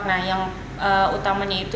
nah yang utamanya itu